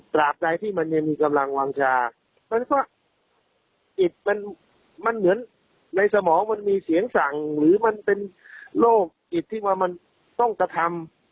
ใดที่มันยังมีกำลังวางชาเพราะฉะนั้นก็จิตมันเหมือนในสมองมันมีเสียงสั่งหรือมันเป็นโรคจิตที่ว่ามันต้องกระทำ